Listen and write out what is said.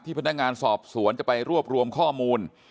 พนักงานสอบสวนจะไปรวบรวมข้อมูล